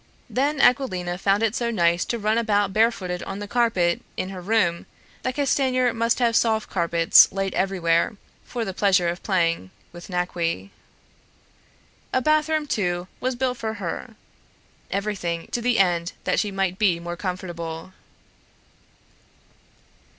Then Aquilina found it so nice to run about barefooted on the carpet in her room that Castanier must have soft carpets laid everywhere for the pleasure of playing with Naqui. A bathroom, too, was built for her, everything to the end that she might be more comfortable.